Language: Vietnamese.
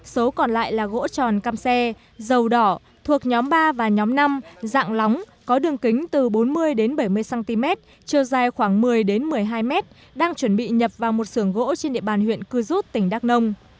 số còn lại là gỗ tròn cam xe dầu đỏ thuộc nhóm ba và nhóm năm dạng lóng có đường kính từ bốn mươi bảy mươi cm chiều dài khoảng một mươi một mươi hai m đang chuẩn bị nhập vào một sưởng gỗ trên địa bàn huyện cư rút tỉnh đắk nông